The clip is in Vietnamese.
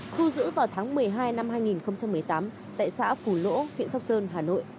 thu giữ vào tháng một mươi hai năm hai nghìn một mươi tám tại xã phù lỗ huyện sóc sơn hà nội